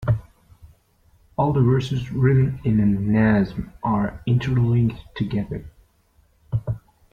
All the verses written in a Nazm are interlinked together.